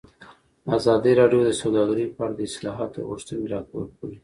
ازادي راډیو د سوداګري په اړه د اصلاحاتو غوښتنې راپور کړې.